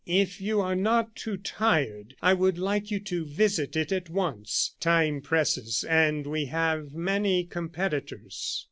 If you are not too tired, I would like you to visit it at once. Time presses, and we have many competitors."